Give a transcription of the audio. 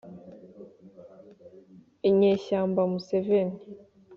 inyeshyamba museveni